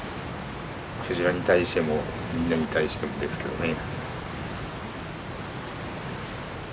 鯨に対してもみんなに対してもですけどね。